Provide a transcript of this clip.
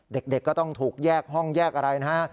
เด็กก็ต้องถูกแยกห้องแยกอะไรนะฮะ